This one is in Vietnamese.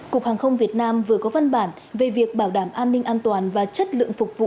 cục hàng không việt nam vừa có văn bản về việc bảo đảm an ninh an toàn và chất lượng phục vụ